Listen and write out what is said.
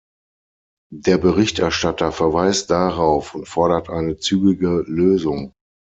Der Berichterstatter verweist darauf und fordert eine zügige Lösung.